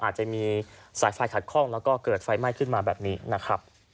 อาจจะมีสายไฟขัดข้องแล้วก็เกิดไฟไหม้ขึ้นมาแบบนี้นะครับ